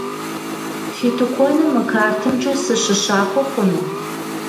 Фи тыкуэным мы картымкӏэ сыщыщахуэ хъуну?